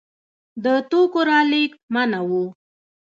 د توکو رالېږد منع و.